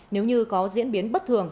nếu như có diễn biến bất thường